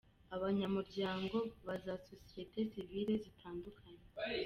Abanyamuryango ba za Sosiyete Sivile zitandukanye.